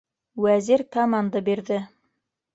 Вәзир команда бирҙе: